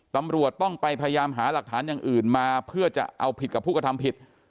ตำรวจต้องไปพยายามหาหลักฐานอย่างอื่นมาเพื่อจะเอาผิดกับผู้กระทำผิด